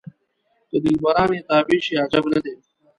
که دلبران یې تابع شي عجب نه دی.